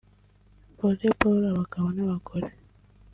VolleyBall (abagabo n’abagore)